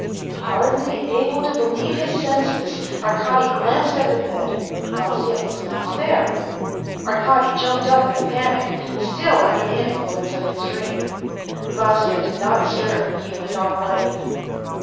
Hardly able to believe his senses, Arkady glanced at the bed ; Vasya was not there. Arkady jumped up in a panic, still under the influence of his dream. Vasya did not stir; he went on writing.